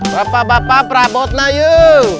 bapak bapak perabotnya yuk